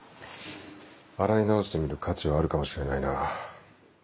洗い直してみる価値はあるかもしれないな。